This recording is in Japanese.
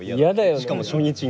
しかも初日に。